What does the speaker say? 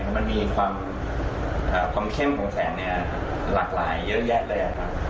มันมีความเข้มของแสนหลากหลายเยอะแยะเลยครับ